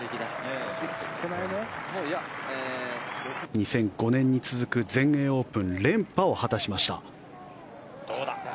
２００５年に続く全英オープン連覇を果たしました。